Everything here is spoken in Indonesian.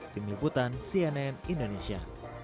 tim liputan cnn indonesia